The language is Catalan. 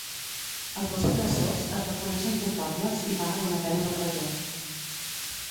Els dos agressors es reconeixen culpables i paguen una pena de presó.